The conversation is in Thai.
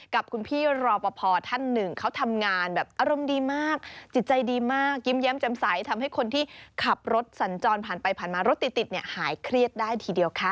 กับคุณพี่รอปภท่านหนึ่งเขาทำงานแบบอารมณ์ดีมากจิตใจดีมากยิ้มแย้มจำใสทำให้คนที่ขับรถสัญจรผ่านไปผ่านมารถติดเนี่ยหายเครียดได้ทีเดียวค่ะ